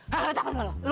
hah lu takut gak lu